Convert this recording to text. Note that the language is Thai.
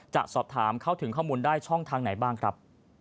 จะสอบถามเข้าถึงข้อมูลได้ช่องทางไหนบ้างครับ